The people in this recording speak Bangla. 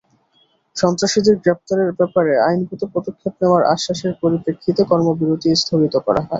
সন্ত্রাসীদের গ্রেপ্তারের ব্যাপারে আইনগত পদক্ষেপ নেওয়ার আশ্বাসের পরিপ্রেক্ষিতে কর্মবিরতি স্থগিত করা হয়।